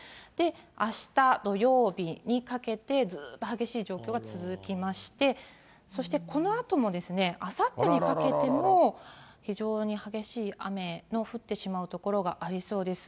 あした土曜日にかけて、ずっと激しい状況が続きまして、そしてこのあともあさってにかけても、非常に激しい雨の降ってしまう所がありそうです。